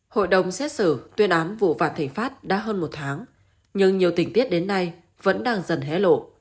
hội đồng xét xử tuyên án vụ vạt thể phát đã hơn một tháng nhưng nhiều tình tiết đến nay vẫn đang dần hé lộ